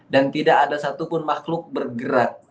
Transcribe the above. dan tidak ada satupun makhluk bergerak